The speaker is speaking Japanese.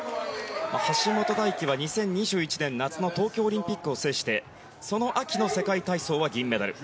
橋本大輝は２０２１年夏の東京オリンピックを制してその秋の世界体操は銀メダル。